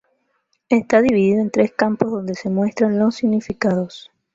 Está dividido en tres campos donde se muestran los significados.